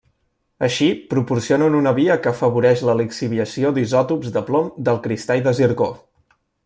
Així, proporcionen una via que afavoreix la lixiviació d'isòtops de plom del cristall de zircó.